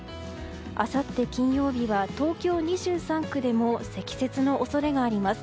あさって金曜日は東京２３区でも積雪の恐れがあります。